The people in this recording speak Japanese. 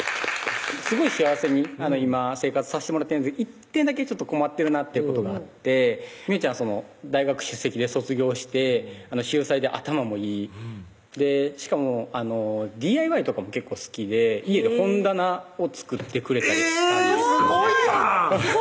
すごい幸せに今生活さしてもらってるんですが１点だけ困ってるなってことがあって美帆ちゃん大学主席で卒業して秀才で頭もいいしかもＤＩＹとかも結構好きで家で本棚を作ってくれたりえぇすごいやん！